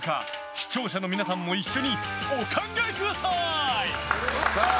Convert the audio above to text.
視聴者の皆さんも一緒にお考えください。